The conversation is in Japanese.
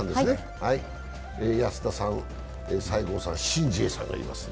安田さん、西郷さん、シン・ジエさんがいます。